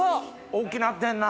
大きなってんな。